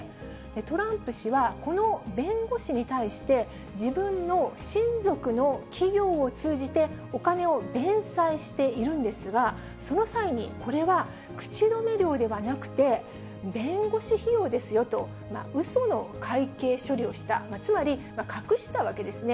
トランプ氏は、この弁護士に対して、自分の親族の企業を通じて、お金を弁済しているんですが、その際に、これは口止め料ではなくて、弁護士費用ですよと、うその会計処理をした、つまり隠したわけですね。